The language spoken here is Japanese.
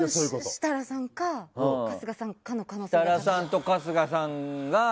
設楽さんと春日さん